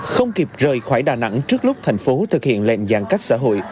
không kịp rời khỏi đà nẵng trước lúc thành phố thực hiện lệnh giãn cách xã hội